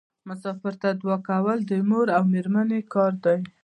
مسافر ته دعا کول د مور او میرمنې کار دی.